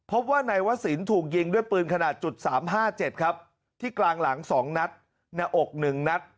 พบว่านายวศิลป์ถูกยิงด้วยปืนขนาด๓๕๗ครับที่กลางหลัง๒นัดหน้าอก๑นัด